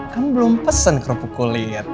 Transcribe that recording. kan belum pesen kerupuk kulit